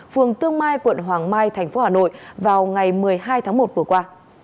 phường tương mai quận hoàng mai thành phố hà nội vào ngày một mươi hai tháng một vừa qua